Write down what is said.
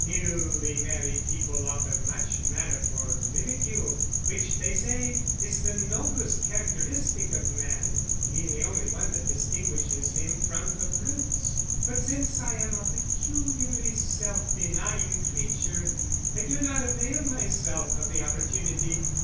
Newly married people offer much matter for ridicule (which, they say, is the noblest characteristic of man, being the only one that distinguishes him from the brutes); but since I am a peculiarly self denying creature, I do not avail myself of the opportunity.